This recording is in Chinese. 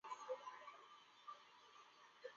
包叙定是中共第十五届中央委员。